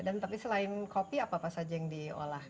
dan tapi selain kopi apa saja yang diolah